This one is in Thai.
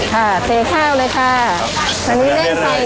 ค่ะเตะข้าวเลยค่ะเร่งไปเลยนะครับอันนี้เริ่ม๑นาทีจังฮะ